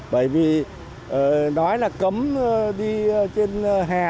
bởi vì nói là cấm đi trên hè